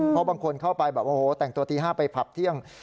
เพราะบางคนเข้าไปแบบโอ้โหแต่งตัวตี๕ไปผับเที่ยง